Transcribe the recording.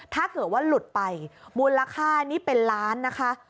ถ้าเกิดว่าหลุดไปมูลค่านี่เป็นล้านนะคะ